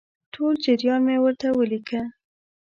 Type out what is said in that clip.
ټول جریان مې ورته ولیکه.